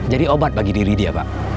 jadi obat bagi diri dia pak